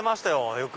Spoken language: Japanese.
よく。